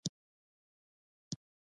تواب ور وکتل: